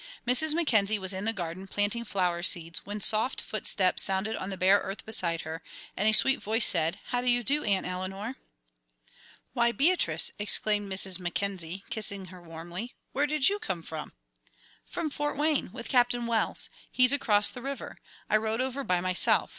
Mrs. Mackenzie was in the garden, planting flower seeds, when soft footsteps sounded on the bare earth beside her, and a sweet voice said, "How do you do, Aunt Eleanor?" "Why, Beatrice!" exclaimed Mrs. Mackenzie, kissing her warmly. "Where did you come from?" "From Fort Wayne, with Captain Wells he's across the river. I rowed over by myself.